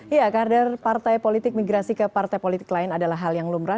ya kader partai politik migrasi ke partai politik lain adalah hal yang lumrah